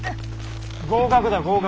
合格だ合格。